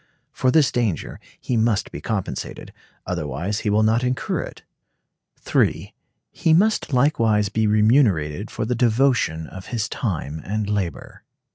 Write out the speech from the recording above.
For this danger he must be compensated, otherwise he will not incur it. (3.) He must likewise be remunerated for the devotion of his time and labor.